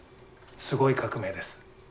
すごい革命です。